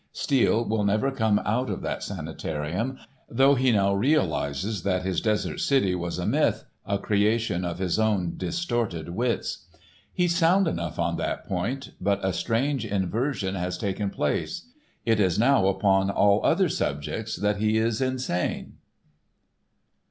Steele will never come out of that sanitarium, though he now realises that his desert city was a myth, a creation of his own distorted wits. He's sound enough on that point, but a strange inversion has taken place. It is now upon all other subjects that he is insane.